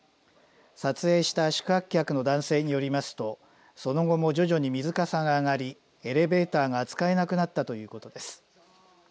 撮影した宿泊客の男性によりますとその後も徐々に水かさが上がりエレベーターが使えなくなったということです。